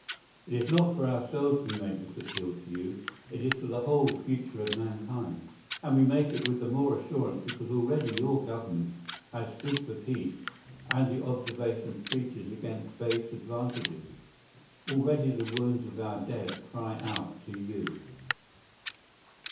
It is not for ourselves we make this appeal to you; it is for the whole future of mankind. And we make it with the more assurance because already your Government has stood for peace and the observation of treaties against base advantages. Already the wounds of our dead cry out to you.